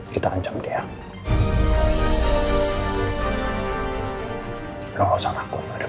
kita perlu ngomong irfan sekarang